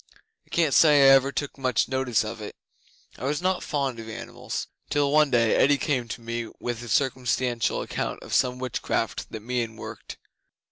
I can't say I ever took much notice of it (I was not fond of animals), till one day Eddi came to me with a circumstantial account of some witchcraft that Meon worked.